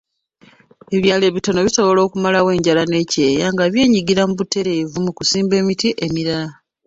Ebyalo ebitono bisobola okumalawo enjala n'ekyeya nga byenyigira butereevu mu kusimba emiti emirala.